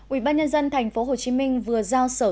ủy ba nhân dân thành phố hồ chí minh vừa giao sở